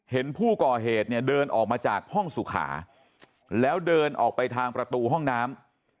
เห็นผู้ก่อเหตุเนี่ยเดินออกมาจากห้องสุขาแล้วเดินออกไปทางประตูห้องน้ำ